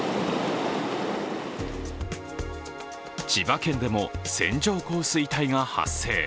千葉県でも線状降水帯が発生。